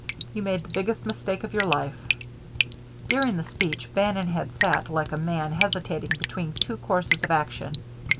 You made the biggest mistake of your life " During the speech Bannon had sat like a man hesitating between two courses of action.